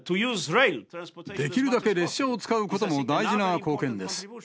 できるだけ列車を使うことも大事な貢献です。